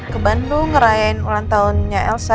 ke bandung ngerayain ulantaranya elsa